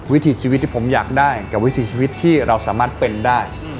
วิถีชีวิตที่ผมอยากได้กับวิถีชีวิตที่เราสามารถเป็นได้